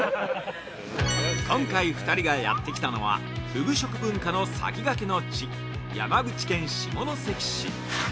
今回２人がやってきたのはふぐ食文化の先駆けの地山口県下関市。